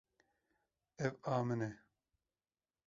Ev a min e.